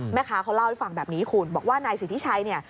แม่ค้าเขาเล่าให้ฟังแบบนี้คุณบอกว่านายสิทธิชัยเนี่ย